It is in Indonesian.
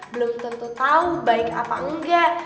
belum tentu tahu baik apa enggak